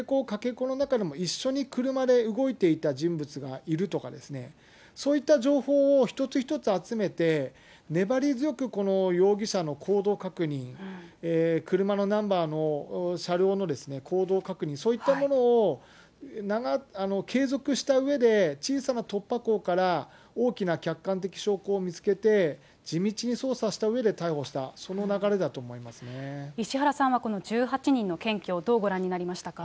かけ子の中でも一緒に車で動いていた人物がいるとか、そういった情報を一つ一つ集めて、粘り強く容疑者の行動確認、車のナンバー、車両の行動確認、そういったものを継続したうえで、小さな突破口から大きな客観的証拠を見つけて、地道に捜査したうえで逮捕した、石原さんはこの１８人の検挙をどうご覧になりましたか。